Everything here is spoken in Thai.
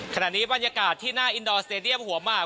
ขณะนี้บรรยากาศที่หน้าอินดอร์สเตดียมหัวหมาก